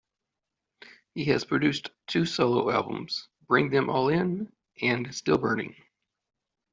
He has also produced two solo albums, "Bring 'em All In" and "Still Burning".